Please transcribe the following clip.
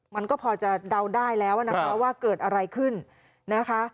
มันก็พอจะเดาได้แล้วนะคะว่าเกิดอะไรขึ้นนะคะ